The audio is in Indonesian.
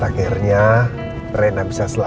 akhirnya reina bisa selamat